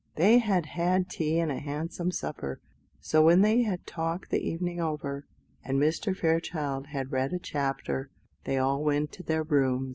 They had had tea and a handsome supper; so when they had talked the evening over, and Mr. Fairchild had read a chapter, they all went to their rooms.